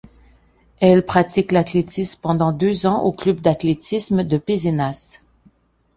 Elle pratique l'athlétisme pendant au club d'athlétisme de Pézenas.